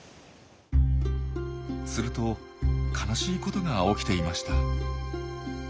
すると悲しいことが起きていました。